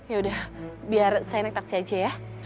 yaudah biar saya naik taksi aja ya